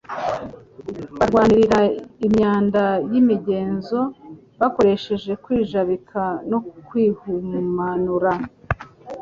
barwanira imyanda y'imigenzo, bakoresheje kwijabika no kwihumanura,